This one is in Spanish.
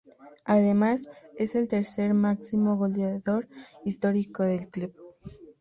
Además, es el tercer máximo goleador histórico del club.